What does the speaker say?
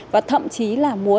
và thậm chí là muốn